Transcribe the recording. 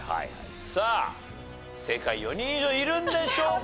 さあ正解４人以上いるんでしょうか？